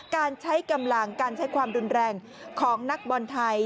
การใช้กำลังการใช้ความรุนแรงของนักบอลไทย